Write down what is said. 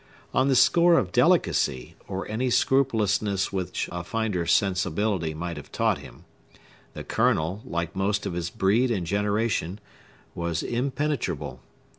On the score of delicacy, or any scrupulousness which a finer sensibility might have taught him, the Colonel, like most of his breed and generation, was impenetrable.